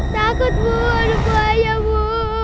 takut bu ada bahaya bu